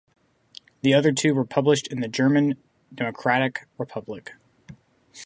The other two were published in the German Democratic Republic.